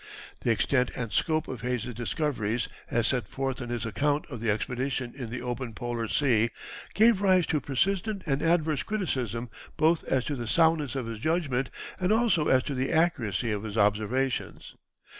The extent and scope of Hayes's discoveries, as set forth in his account of the expedition in "The Open Polar Sea," gave rise to persistent and adverse criticism both as to the soundness of his judgment and also as to the accuracy of his observations.